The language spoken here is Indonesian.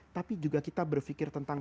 tapi juga kita berpikir tentang